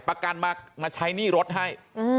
ประกันมาใช้หนี้รถให้